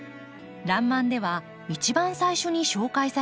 「らんまん」では一番最初に紹介された花です。